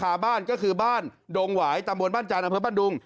คาบ้านก็คือบ้านดงหวายตำบลบ้านจานอังพฤษบ้านดุง